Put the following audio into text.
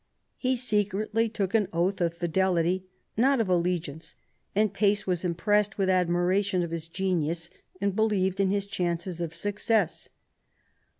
He secretly took an oath of fidelity, not of allegi ance; and Pace was impressed with admiration of his genius and believed in his chances of success.